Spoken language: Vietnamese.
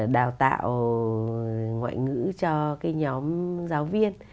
đào tạo ngoại ngữ cho cái nhóm giáo viên